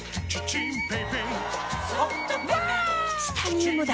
チタニウムだ！